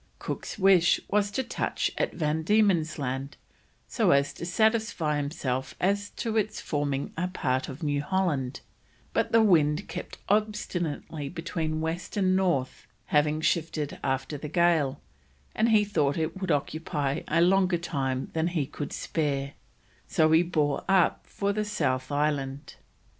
Cook's wish was to touch at Van Diemen's Land, so as to satisfy himself as to its forming a part of New Holland, but the wind kept obstinately between west and north, having shifted after the gale, and he thought it would occupy a longer time than he could spare, so he bore up for the South Island.